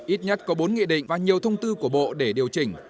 ít nhất có bốn nghị định và nhiều thông tư của bộ để điều chỉnh